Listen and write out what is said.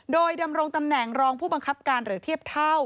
โดยดำรงตำแหน่งรองผู้บังคับการหรือเทียบเท่า